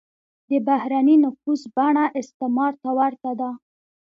د بهرنی نفوذ بڼه استعمار ته ورته ده.